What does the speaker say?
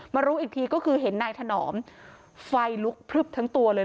รู้อีกทีก็คือเห็นนายถนอมไฟลุกพลึบทั้งตัวเลย